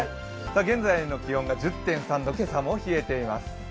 現在の気温が１０．３度、今朝も冷えています。